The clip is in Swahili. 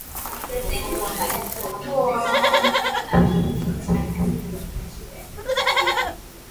walikuwa wanafanya kazi ya Ubeligiji na Marekani waliacha Lumumba adui yao mkubwa auwawe